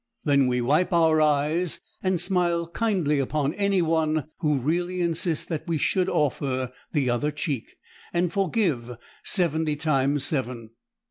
Then we wipe our eyes, and smile kindly upon any one who really insists that we should offer the other cheek, and forgive seventy times seven.